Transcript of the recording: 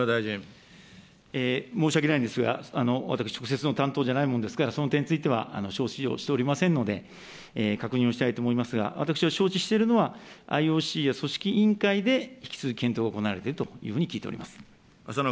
申し訳ないんですが、私、直接の担当じゃないものですから、その点については、承知をしておりませんので、確認をしたいと思いますが、私が招致をしておるのは、ＩＯＣや組織委員会で引き続き検討が行われているというふうに聞いております。